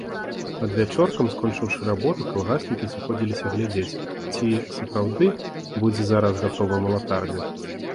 Адвячоркам, скончыўшы работу, калгаснікі сыходзіліся глядзець, ці сапраўды будзе зараз гатова малатарня.